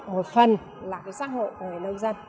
một phần là cái xã hội của người nông dân